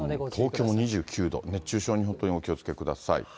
東京も２９度、熱中症に本当にお気をつけください。